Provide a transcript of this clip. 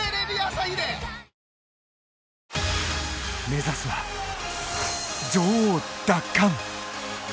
目指すは、女王奪還。